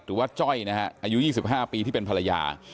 จ้อยนะฮะอายุ๒๕ปีที่เป็นภรรยา